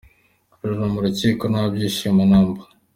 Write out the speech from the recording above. Lulu mu rukiko nta byishimo na mba!!.